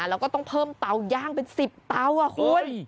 แล้วก็ต้องเพิ่มเตาย่างเป็น๑๐เตาคุณ